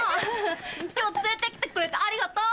今日連れてきてくれてありがとう！